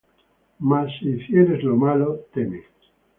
Mas si hicieres lo malo, teme: